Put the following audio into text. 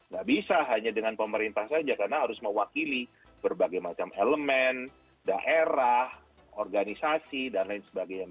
gak bisa hanya dengan pemerintah saja karena harus mewakili berbagai macam elemen daerah organisasi dan lain sebagainya